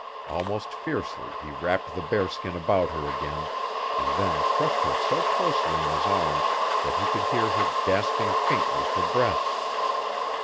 Almost fiercely he wrapped the bearskin about her again, and then crushed her so closely in his arms that he could hear her gasping faintly for breath.